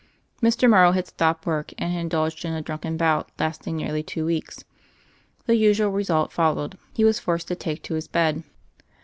Mr. Morrow had stopped work and had indulged in a drunken bout lasting nearly two weeks. The usual result followed: he was forced to take to his bed.